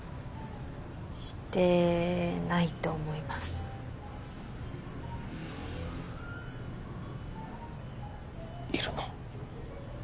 してないと思いますいるの？